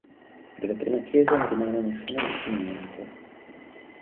Della prima chiesa non rimane nessuna testimonianza.